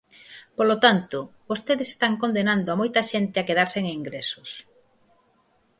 Polo tanto, vostedes están condenando a moita xente a quedar sen ingresos.